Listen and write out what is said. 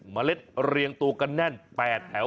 เล็ดเรียงตัวกันแน่น๘แถว